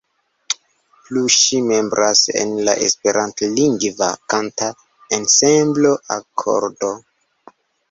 Plu ŝi membras en la esperantlingva kanta ensemblo Akordo.